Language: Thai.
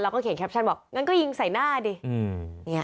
แล้วก็เขียนแคปชั่นบอกงั้นก็ยิงใส่หน้าดิ